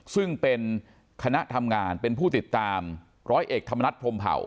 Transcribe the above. ซึ่งเป็นคณะทำงานเป็นผู้ติดตามร้อยเอกธรรมนัฐพรมเผา